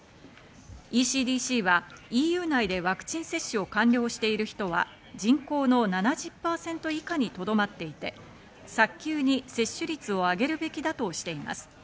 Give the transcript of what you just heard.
ＥＣＤＣはＥＵ内でワクチン接種を完了している人は人口の７０％以下にとどまっていて、早急に接種率を上げるべきだとしています。